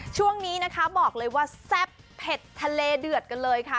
ช่วงนี้นะคะบอกเลยว่าแซ่บเผ็ดทะเลเดือดกันเลยค่ะ